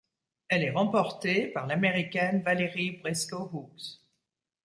Elle est remportée par l'Américaine Valerie Brisco-Hooks.